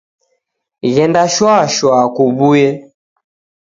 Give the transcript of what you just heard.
Ghenda shwa shwa kuwuye